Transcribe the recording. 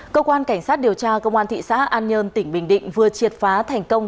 cơ quan cảnh sát điều tra công an thị xã an nhơn tỉnh bình định vừa triệt phá thành công